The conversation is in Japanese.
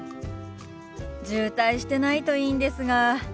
渋滞してないといいんですが。